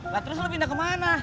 nah terus lo pindah kemana